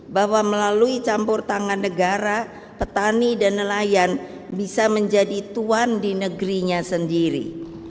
bahwa melalui campur tangan negara petani dan nelayan bisa menjadi tuan di negerinya sendiri